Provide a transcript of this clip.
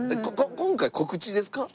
今回告知ですか？